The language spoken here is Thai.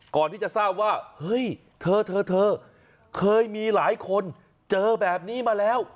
ก่อนที่จะทราบว่าเฮ้ยเธอเธอเคยมีหลายคนเจอแบบนี้มาแล้ว